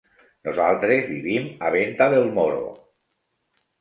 Nosaltres vivim a Venta del Moro.